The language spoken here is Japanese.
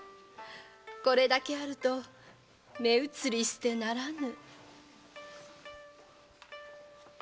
これだけあると目移りしてならぬ。